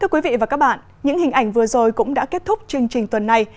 thưa quý vị và các bạn những hình ảnh vừa rồi cũng đã kết thúc chương trình tuần này